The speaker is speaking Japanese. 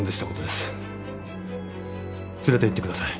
連れていってください。